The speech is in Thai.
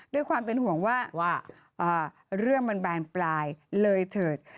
ด้วยความเป็นห่วงว่าเรื่องมันบานปลายเลยเถิด